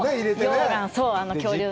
溶岩、そう、恐竜の。